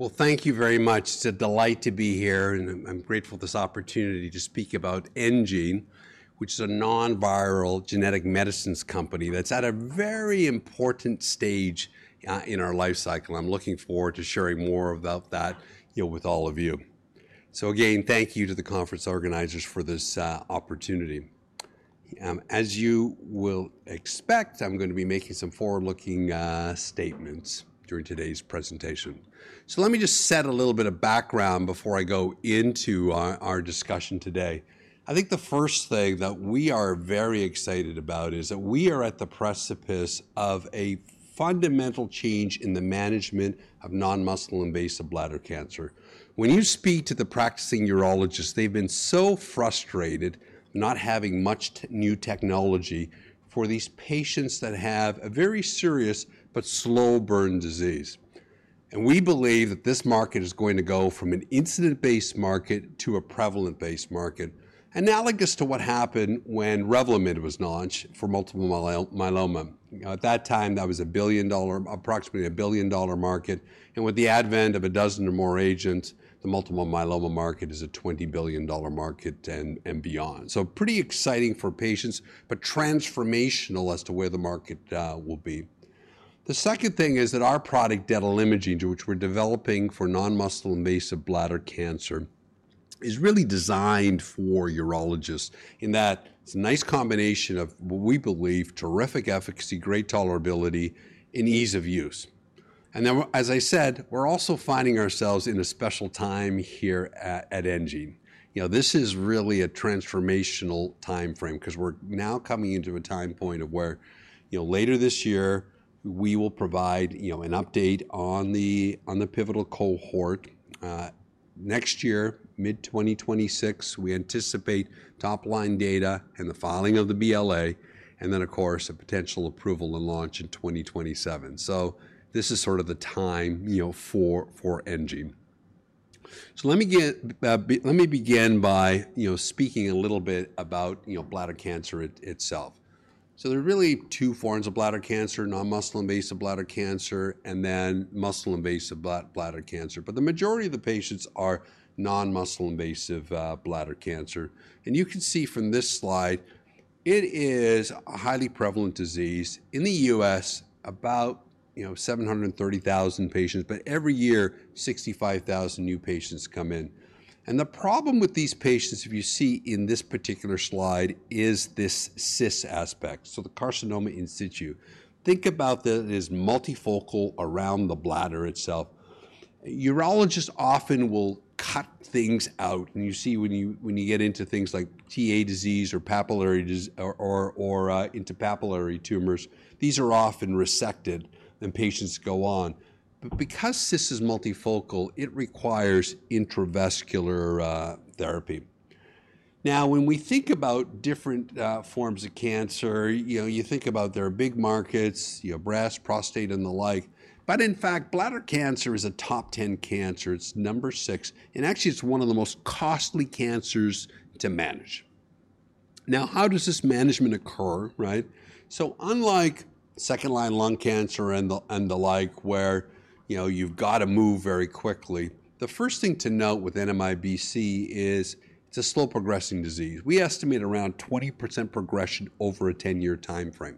Thank you very much. It's a delight to be here, and I'm grateful for this opportunity to speak about enGene, which is a non-viral genetic medicines company that's at a very important stage in our life cycle. I'm looking forward to sharing more about that, you know, with all of you. Again, thank you to the conference organizers for this opportunity. As you will expect, I'm going to be making some forward-looking statements during today's presentation. Let me just set a little bit of background before I go into our discussion today. I think the first thing that we are very excited about is that we are at the precipice of a fundamental change in the management of non-muscle invasive bladder cancer. When you speak to the practicing urologists, they've been so frustrated not having much new technology for these patients that have a very serious but slow-burn disease. We believe that this market is going to go from an incident-based market to a prevalent-based market, analogous to what happened when REVLIMID was launched for multiple myeloma. At that time, that was a $1 billion, approximately a $1 billion market. With the advent of a dozen or more agents, the multiple myeloma market is a $20 billion market and beyond. Pretty exciting for patients, but transformational as to where the market will be. The second thing is that our product, detalimogene voraplasmid, which we're developing for non-muscle invasive bladder cancer, is really designed for urologists in that it's a nice combination of, what we believe, terrific efficacy, great tolerability, and ease of use. As I said, we're also finding ourselves in a special time here at enGene. You know, this is really a transformational timeframe because we're now coming into a time point of where, you know, later this year, we will provide, you know, an update on the pivotal cohort. Next year, mid-2026, we anticipate top-line data and the filing of the BLA, and then, of course, a potential approval and launch in 2027. This is sort of the time, you know, for enGene. Let me begin by, you know, speaking a little bit about, you know, bladder cancer itself. There are really two forms of bladder cancer: non-muscle invasive bladder cancer and then muscle invasive bladder cancer. The majority of the patients are non-muscle invasive bladder cancer. You can see from this slide, it is a highly prevalent disease in the U.S., about, you know, 730,000 patients, but every year, 65,000 new patients come in. The problem with these patients, if you see in this particular slide, is this CIS aspect, so the carcinoma in situ. Think about that as multifocal around the bladder itself. Urologists often will cut things out. You see when you get into things like TA disease or papillary or intrapapillary tumors, these are often resected and patients go on. Because CIS is multifocal, it requires intravesical therapy. Now, when we think about different forms of cancer, you know, you think about there are big markets, you know, breast, prostate, and the like. In fact, bladder cancer is a top 10 cancer. It is number six. Actually, it is one of the most costly cancers to manage. Now, how does this management occur, right? Unlike second-line lung cancer and the like, where, you know, you've got to move very quickly, the first thing to note with NMIBC is it's a slow-progressing disease. We estimate around 20% progression over a 10-year timeframe.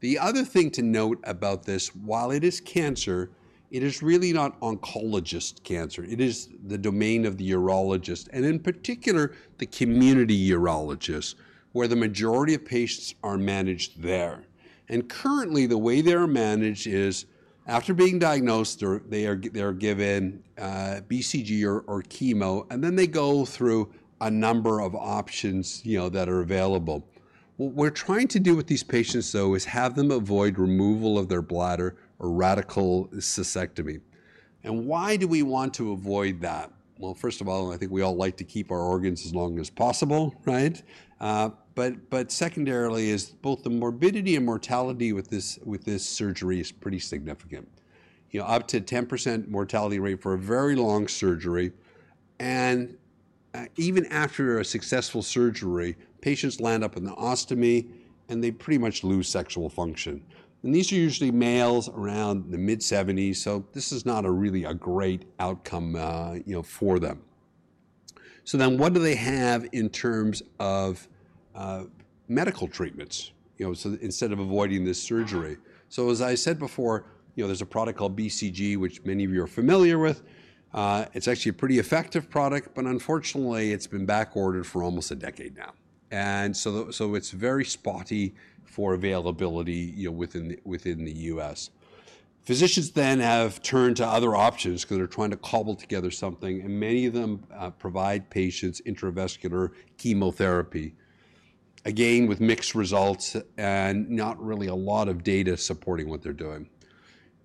The other thing to note about this, while it is cancer, it is really not oncologist cancer. It is the domain of the urologist and, in particular, the community urologists, where the majority of patients are managed there. Currently, the way they're managed is after being diagnosed, they are given BCG or chemo, and then they go through a number of options, you know, that are available. What we're trying to do with these patients, though, is have them avoid removal of their bladder or radical cystectomy. Why do we want to avoid that? First of all, I think we all like to keep our organs as long as possible, right? Secondarily, both the morbidity and mortality with this surgery is pretty significant. You know, up to 10% mortality rate for a very long surgery. Even after a successful surgery, patients land up in the ostomy and they pretty much lose sexual function. These are usually males around the mid-70s, so this is not really a great outcome, you know, for them. What do they have in terms of medical treatments, you know, instead of avoiding this surgery? As I said before, you know, there's a product called BCG, which many of you are familiar with. It's actually a pretty effective product, but unfortunately, it's been backordered for almost a decade now. It's very spotty for availability, you know, within the U.S. Physicians then have turned to other options because they're trying to cobble together something. Many of them provide patients intravesical chemotherapy, again, with mixed results and not really a lot of data supporting what they're doing.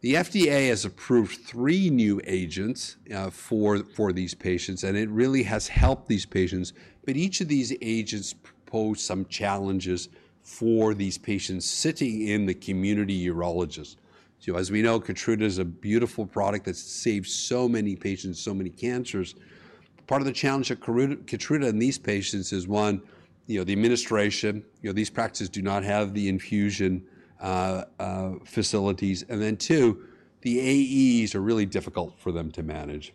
The FDA has approved three new agents for these patients, and it really has helped these patients. Each of these agents pose some challenges for these patients sitting in the community urologist. As we know, Keytruda is a beautiful product that saves so many patients, so many cancers. Part of the challenge of Keytruda in these patients is, one, you know, the administration, you know, these practices do not have the infusion facilities. Two, the AEs are really difficult for them to manage.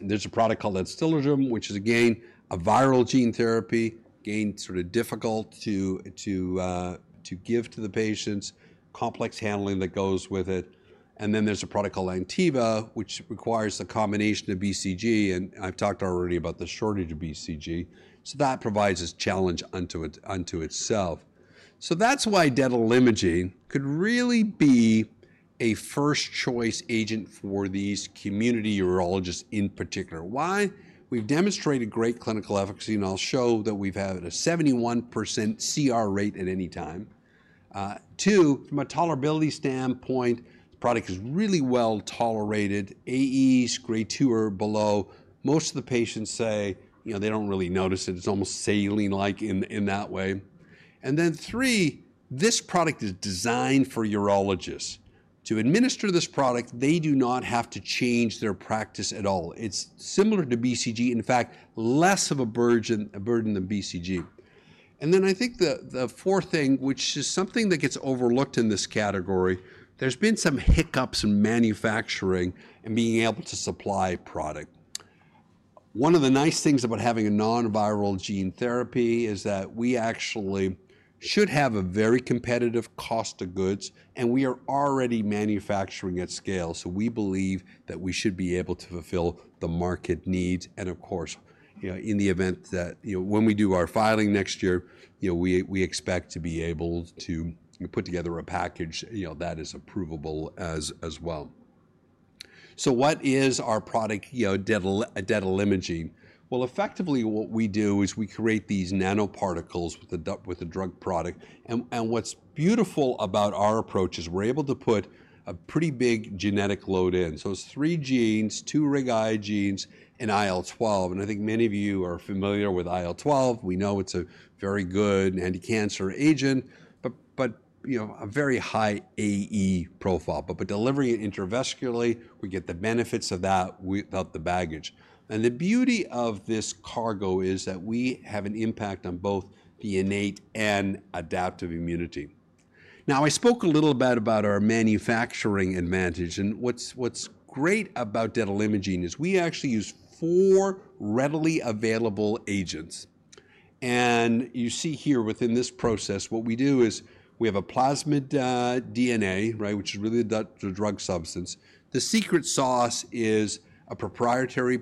There's a product called Adstiladrin, which is, again, a viral gene therapy, again, sort of difficult to give to the patients, complex handling that goes with it. And then there's a product called Anktiva, which requires a combination of BCG. And I've talked already about the shortage of BCG. That provides a challenge unto itself. That is why detalimogene voraplasmid could really be a first-choice agent for these community urologists in particular. Why? We've demonstrated great clinical efficacy, and I'll show that we've had a 71% CR rate at any time. Two, from a tolerability standpoint, the product is really well tolerated. AEs, grade 2 or below, most of the patients say, you know, they don't really notice it. It's almost saline-like in that way. Three, this product is designed for urologists. To administer this product, they do not have to change their practice at all. It's similar to BCG, in fact, less of a burden than BCG. I think the fourth thing, which is something that gets overlooked in this category, there's been some hiccups in manufacturing and being able to supply product. One of the nice things about having a non-viral gene therapy is that we actually should have a very competitive cost of goods, and we are already manufacturing at scale. We believe that we should be able to fulfill the market needs. Of course, you know, in the event that, you know, when we do our filing next year, you know, we expect to be able to put together a package, you know, that is approvable as well. What is our product, you know, detalimogene voraplasmid? Effectively, what we do is we create these nanoparticles with a drug product. What's beautiful about our approach is we're able to put a pretty big genetic load in. It's three genes, two RIG-I genes, and IL-12. I think many of you are familiar with IL-12. We know it's a very good anti-cancer agent, but, you know, a very high AE profile. By delivering it intravesically, we get the benefits of that without the baggage. The beauty of this cargo is that we have an impact on both the innate and adaptive immunity. I spoke a little bit about our manufacturing advantage. What's great about detalimogene voraplasmid is we actually use four readily available agents. You see here within this process, what we do is we have a plasmid DNA, right, which is really the drug substance. The secret sauce is a proprietary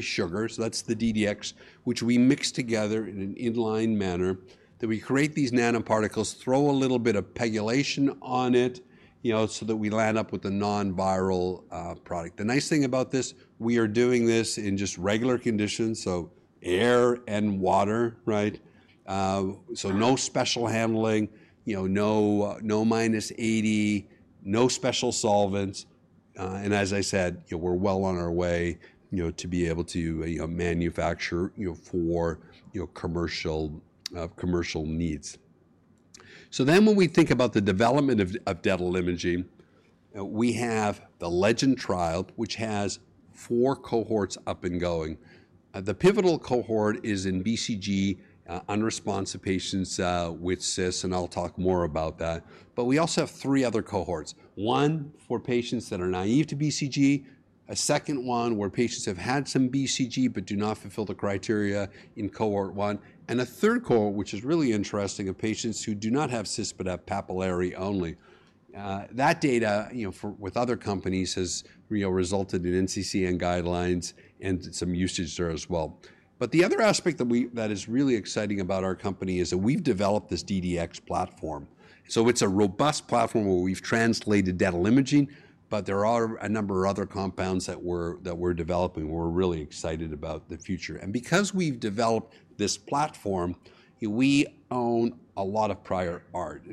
sugar, so that's the DDX, which we mix together in an inline manner. Then we create these nanoparticles, throw a little bit of pegylation on it, you know, so that we land up with a non-viral product. The nice thing about this, we are doing this in just regular conditions, so air and water, right? No special handling, you know, no minus 80, no special solvents. As I said, you know, we're well on our way, you know, to be able to manufacture, you know, for, you know, commercial needs. When we think about the development of detalimogene voraplasmid, we have the LEGEND trial, which has four cohorts up and going. The pivotal cohort is in BCG unresponsive patients with CIS, and I'll talk more about that. We also have three other cohorts: one for patients that are naive to BCG, a second one where patients have had some BCG but do not fulfill the criteria in cohort one, and a third cohort, which is really interesting, of patients who do not have CIS but have papillary only. That data, you know, with other companies has resulted in NCCN guidelines and some usage there as well. The other aspect that is really exciting about our company is that we've developed this DDX platform. It is a robust platform where we've translated detalimogene, but there are a number of other compounds that we're developing. We're really excited about the future. Because we've developed this platform, we own a lot of prior art.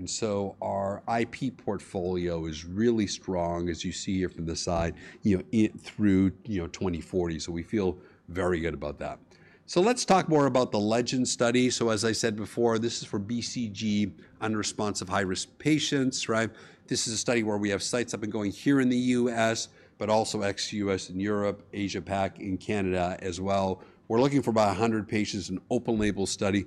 Our IP portfolio is really strong, as you see here from the slide, you know, through, you know, 2040. We feel very good about that. Let's talk more about the LEGEND study. As I said before, this is for BCG-unresponsive high-risk patients, right? This is a study where we have sites up and going here in the U.S., but also ex-U.S. in Europe, Asia-PAC, and Canada as well. We're looking for about 100 patients, an open-label study.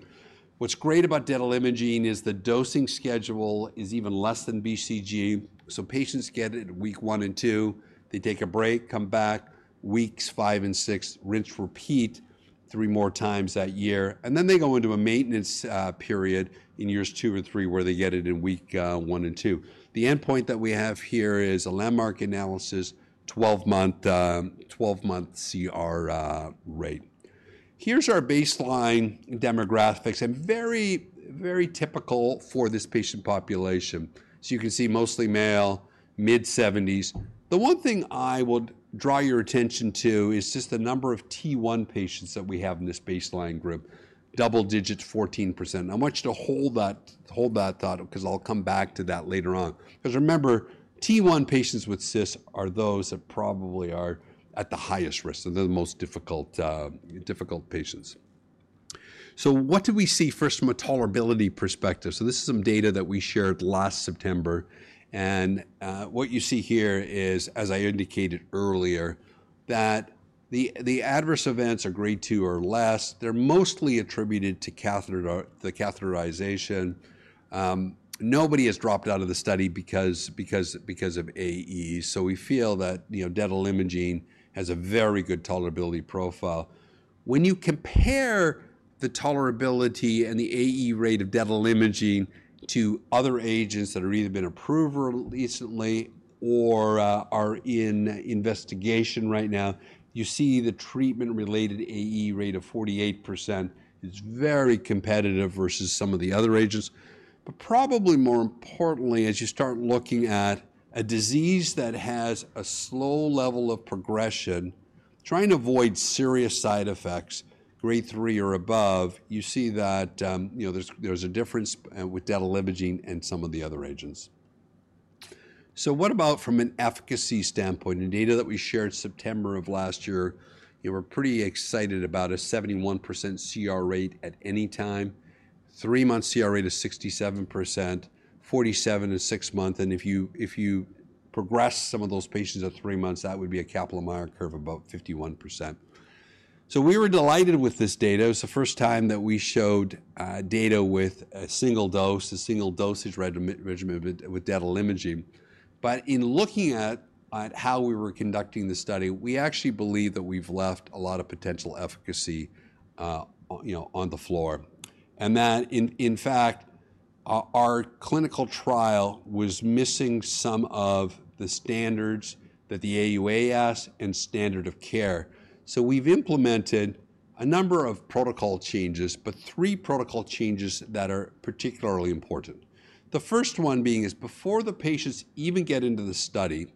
What's great about detalimogene voraplasmid is the dosing schedule is even less than BCG. Patients get it week one and two. They take a break, come back, weeks five and six, rinse-repeat three more times that year. Then they go into a maintenance period in years two and three where they get it in week one and two. The endpoint that we have here is a landmark analysis, 12-month CR rate. Here are our baseline demographics. Very, very typical for this patient population. You can see mostly male, mid-70s. The one thing I would draw your attention to is just the number of T1 patients that we have in this baseline group, double digits, 14%. I want you to hold that thought because I'll come back to that later on. Because remember, T1 patients with CIS are those that probably are at the highest risk. They're the most difficult patients. What do we see first from a tolerability perspective? This is some data that we shared last September. What you see here is, as I indicated earlier, that the adverse events are grade 2 or less. They're mostly attributed to catheterization. Nobody has dropped out of the study because of AEs. We feel that, you know, detalimogene voraplasmid has a very good tolerability profile. When you compare the tolerability and the AE rate of detalimogene voraplasmid to other agents that have either been approved recently or are in investigation right now, you see the treatment-related AE rate of 48%. It's very competitive versus some of the other agents. Probably more importantly, as you start looking at a disease that has a slow level of progression, trying to avoid serious side effects, grade 3 or above, you see that, you know, there's a difference with detalimogene voraplasmid and some of the other agents. What about from an efficacy standpoint? In data that we shared September of last year, you know, we're pretty excited about a 71% CR rate at any time, three-month CR rate of 67%, 47% at six months. If you progress some of those patients at three months, that would be a Kaplan-Meier curve of about 51%. We were delighted with this data. It was the first time that we showed data with a single dose, a single dosage regimen with detalimogene voraplasmid. In looking at how we were conducting the study, we actually believe that we've left a lot of potential efficacy, you know, on the floor. In fact, our clinical trial was missing some of the standards that the AUA asked and standard of care. We've implemented a number of protocol changes, but three protocol changes that are particularly important. The first one being is before the patients even get into the study,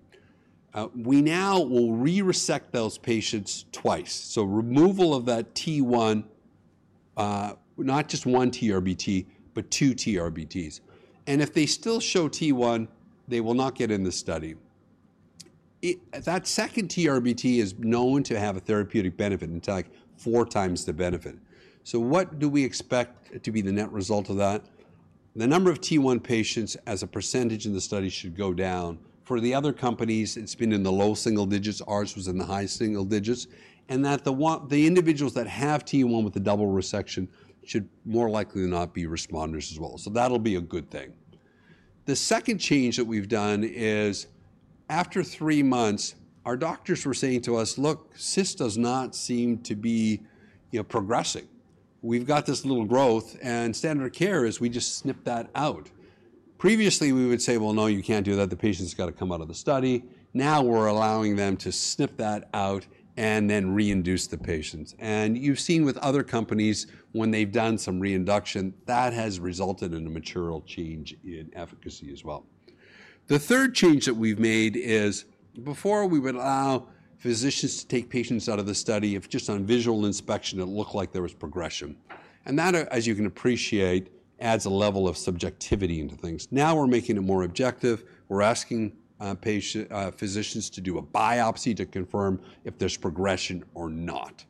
we now will re-resect those patients twice. Removal of that T1, not just one TURBT, but two TURBTs. If they still show T1, they will not get in the study. That second TURBT is known to have a therapeutic benefit, and it's like four times the benefit. So what do we expect to be the net result of that? The number of T1 patients as a percentage in the study should go down. For the other companies, it's been in the low single digits. Ours was in the high single digits. And that the individuals that have T1 with the double resection should more likely than not be responders as well. So that'll be a good thing. The second change that we've done is after three months, our doctors were saying to us, "Look, CIS does not seem to be, you know, progressing. We've got this little growth, and standard of care is we just snip that out." Previously, we would say, "Well, no, you can't do that. The patient's got to come out of the study. Now we're allowing them to snip that out and then re-induce the patients. You've seen with other companies, when they've done some re-induction, that has resulted in a material change in efficacy as well. The third change that we've made is before we would allow physicians to take patients out of the study if just on visual inspection it looked like there was progression. That, as you can appreciate, adds a level of subjectivity into things. Now we're making it more objective. We're asking physicians to do a biopsy to confirm if there's progression or not.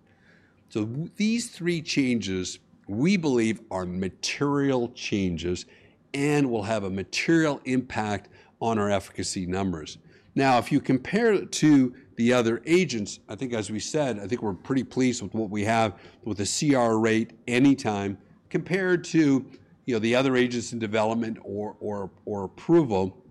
These three changes we believe are material changes and will have a material impact on our efficacy numbers. Now, if you compare it to the other agents, I think, as we said, I think we're pretty pleased with what we have with the CR rate any time compared to, you know, the other agents in development or approval.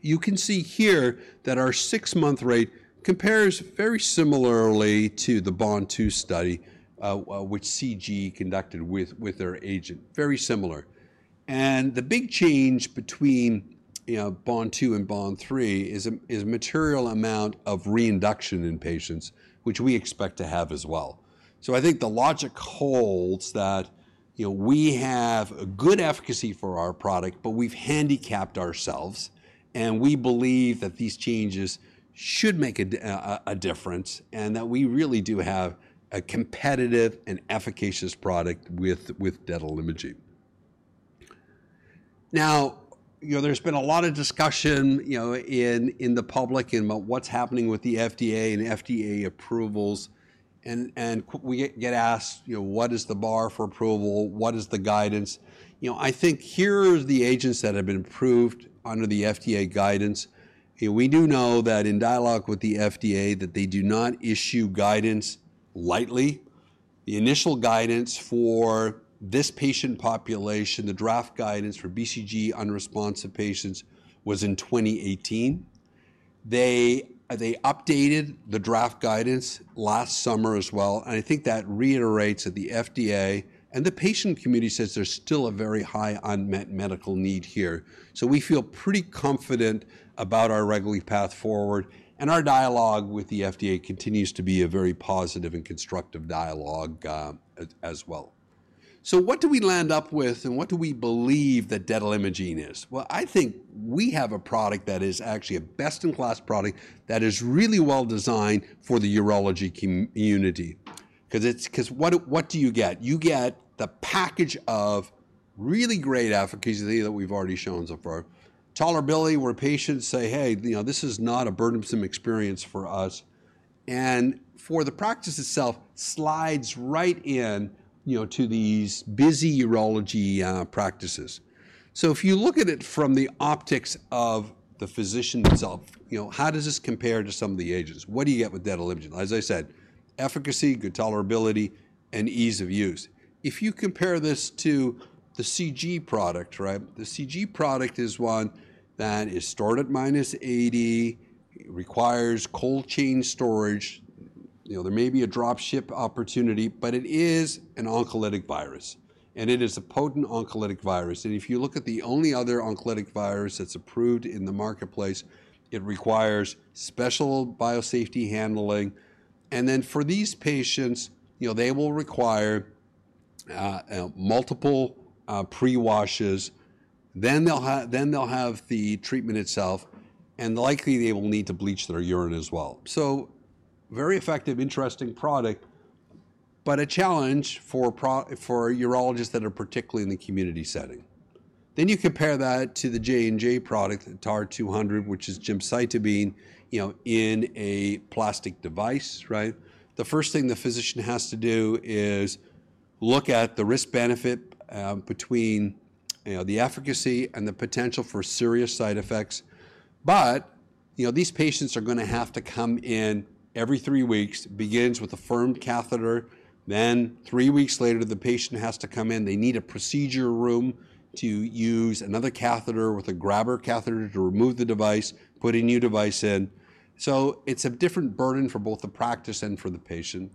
You can see here that our six-month rate compares very similarly to the BOND II study, which CG Oncology conducted with their agent. Very similar. The big change between, you know, BOND-002 and BOND-003 is a material amount of re-induction in patients, which we expect to have as well. I think the logic holds that, you know, we have a good efficacy for our product, but we've handicapped ourselves. We believe that these changes should make a difference and that we really do have a competitive and efficacious product with detalimogene voraplasmid. Now, you know, there's been a lot of discussion, you know, in the public and what's happening with the FDA and FDA approvals. And we get asked, you know, what is the bar for approval? What is the guidance? You know, I think here are the agents that have been approved under the FDA guidance. We do know that in dialogue with the FDA that they do not issue guidance lightly. The initial guidance for this patient population, the draft guidance for BCG unresponsive patients, was in 2018. They updated the draft guidance last summer as well. And I think that reiterates that the FDA and the patient community says there's still a very high unmet medical need here. So we feel pretty confident about our regular path forward. And our dialogue with the FDA continues to be a very positive and constructive dialogue as well. What do we land up with and what do we believe that detalimogene voraplasmid is? I think we have a product that is actually a best-in-class product that is really well designed for the urology community. Because what do you get? You get the package of really great efficacy that we've already shown so far. Tolerability where patients say, "Hey, you know, this is not a burdensome experience for us." For the practice itself, slides right in, you know, to these busy urology practices. If you look at it from the optics of the physician itself, you know, how does this compare to some of the agents? What do you get with detalimogene voraplasmid? As I said, efficacy, good tolerability, and ease of use. If you compare this to the CG Oncology product, right? The CG Oncology product is one that is stored at -80. It requires cold chain storage. You know, there may be a dropship opportunity, but it is an oncolytic virus. And it is a potent oncolytic virus. If you look at the only other oncolytic virus that's approved in the marketplace, it requires special biosafety handling. For these patients, you know, they will require multiple pre-washes. Then they'll have the treatment itself. Likely they will need to bleach their urine as well. Very effective, interesting product, but a challenge for urologists that are particularly in the community setting. You compare that to the J&J product, TAR-200, which is gemcitabine, you know, in a plastic device, right? The first thing the physician has to do is look at the risk-benefit between, you know, the efficacy and the potential for serious side effects. You know, these patients are going to have to come in every three weeks. It begins with a firm catheter. Then three weeks later, the patient has to come in. They need a procedure room to use another catheter with a grabber catheter to remove the device, put a new device in. It is a different burden for both the practice and for the patient.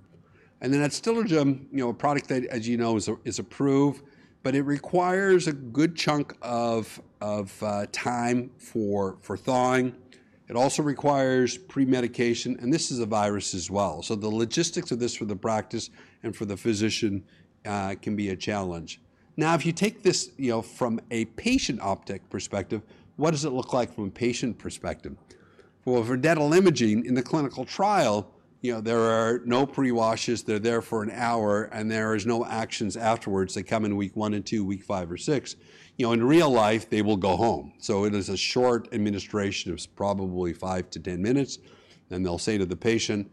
At Adstiladrin, you know, a product that, as you know, is approved, but it requires a good chunk of time for thawing. It also requires pre-medication. This is a virus as well. The logistics of this for the practice and for the physician can be a challenge. Now, if you take this, you know, from a patient optic perspective, what does it look like from a patient perspective? For detalimogene voraplasmid in the clinical trial, you know, there are no pre-washes. They're there for an hour, and there are no actions afterwards. They come in week one and two, week five or six. You know, in real life, they will go home. It is a short administration of probably five to ten minutes. They'll say to the patient,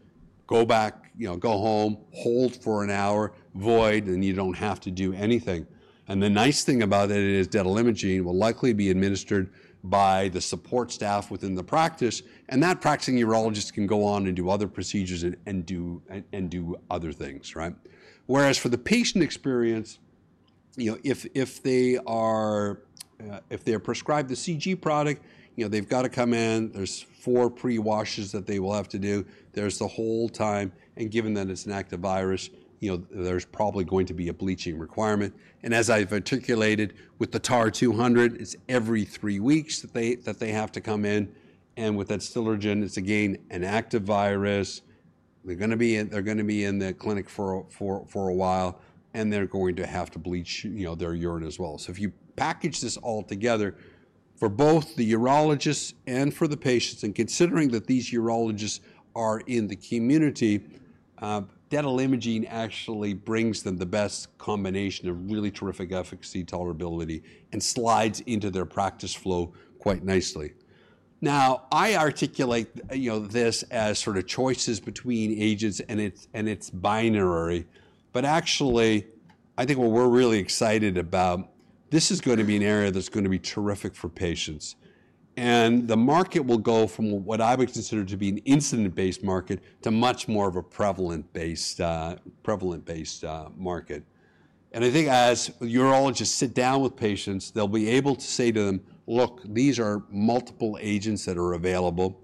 "Go back, you know, go home, hold for an hour, void, and you don't have to do anything." The nice thing about it is detalimogene voraplasmid will likely be administered by the support staff within the practice. That practicing urologist can go on and do other procedures and do other things, right? Whereas for the patient experience, you know, if they are prescribed the CG Oncology product, you know, they've got to come in. There's four pre-washes that they will have to do. There's the whole time. And given that it's an active virus, you know, there's probably going to be a bleaching requirement. And as I've articulated with the TAR-200, it's every three weeks that they have to come in. And with Adstiladrin, it's again an active virus. They're going to be in the clinic for a while, and they're going to have to bleach, you know, their urine as well. So if you package this all together for both the urologists and for the patients, and considering that these urologists are in the community, detalimogene voraplasmid actually brings them the best combination of really terrific efficacy, tolerability, and slides into their practice flow quite nicely. Now, I articulate, you know, this as sort of choices between agents, and it's binary. Actually, I think what we're really excited about, this is going to be an area that's going to be terrific for patients. The market will go from what I would consider to be an incident-based market to much more of a prevalent-based market. I think as urologists sit down with patients, they'll be able to say to them, "Look, these are multiple agents that are available."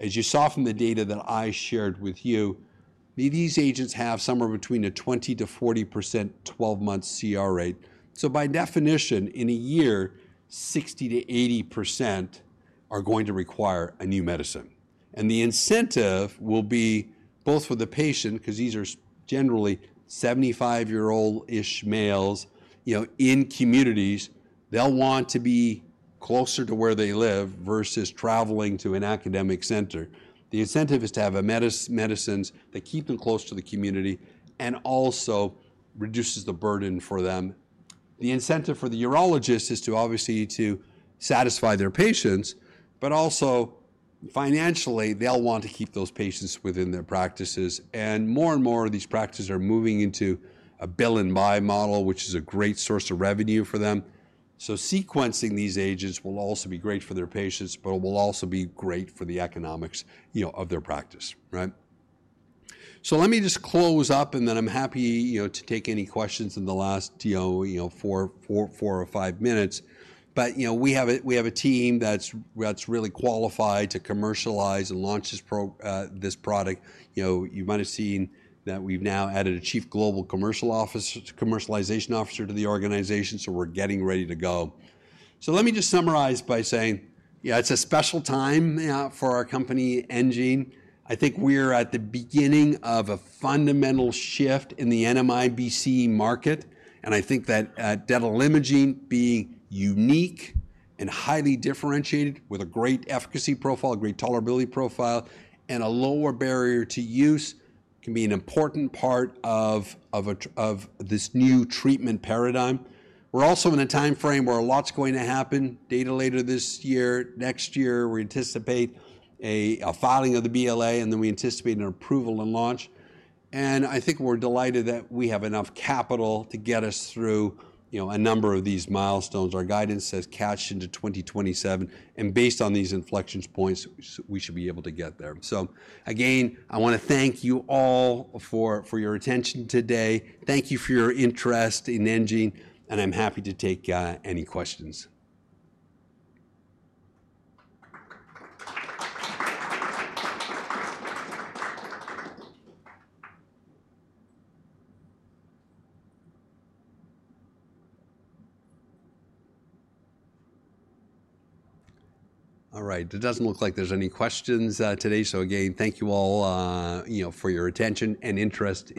As you saw from the data that I shared with you, these agents have somewhere between a 20%-40% 12-month CR rate. By definition, in a year, 60%-80% are going to require a new medicine. The incentive will be both for the patient, because these are generally 75-year-old-ish males, you know, in communities, they'll want to be closer to where they live versus traveling to an academic center. The incentive is to have medicines that keep them close to the community and also reduces the burden for them. The incentive for the urologist is to obviously satisfy their patients, but also financially, they'll want to keep those patients within their practices. More and more, these practices are moving into a bill-and-buy model, which is a great source of revenue for them. Sequencing these agents will also be great for their patients, but it will also be great for the economics, you know, of their practice, right? Let me just close up, and then I'm happy, you know, to take any questions in the last, you know, four or five minutes. You know, we have a team that's really qualified to commercialize and launch this product. You know, you might have seen that we've now added a Chief Global Commercial Officer, Commercialization Officer to the organization. We're getting ready to go. Let me just summarize by saying, yeah, it's a special time for our company, enGene. I think we're at the beginning of a fundamental shift in the NMIBC market. I think that detalimogene voraplasmid being unique and highly differentiated with a great efficacy profile, a great tolerability profile, and a lower barrier to use can be an important part of this new treatment paradigm. We're also in a time frame where a lot's going to happen. Data later this year, next year, we anticipate a filing of the BLA, and then we anticipate an approval and launch. I think we're delighted that we have enough capital to get us through, you know, a number of these milestones. Our guidance says catch into 2027. Based on these inflection points, we should be able to get there. Again, I want to thank you all for your attention today. Thank you for your interest in enGene. I'm happy to take any questions. All right. It doesn't look like there's any questions today. Again, thank you all, you know, for your attention and interest.